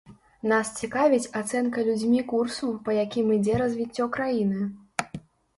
Нас цікавіць ацэнка людзьмі курсу, па якім ідзе развіццё краіны.